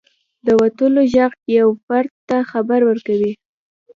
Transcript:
• د وتلو ږغ یو فرد ته خبر ورکوي.